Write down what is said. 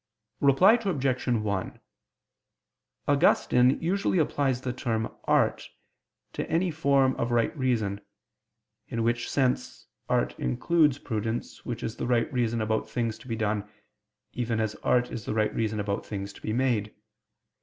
Reply Obj. 1: Augustine usually applies the term "art" to any form of right reason; in which sense art includes prudence which is the right reason about things to be done, even as art is the right reason about things to be made.